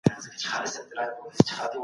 خلکو ويل چې دولت بايد کارونه زيات کړي.